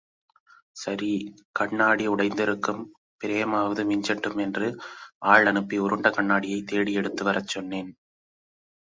சரி, கண்ணாடி உடைந்திருக்கும், பிரேமாவது மிஞ்சட்டும் என்று ஆள் அனுப்பி உருண்ட கண்ணாடியைத் தேடி எடுத்துவரச் சொன்னேன்.